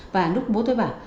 và lúc bố tôi bảo